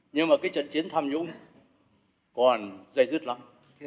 nhưng mà cái trận chiến tham nhũng còn dây dứt lắm